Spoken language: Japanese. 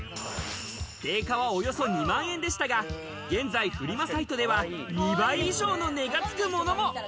定価はおよそ２万円でしたが、現在フリマサイトでは２倍以上の値がつくものも。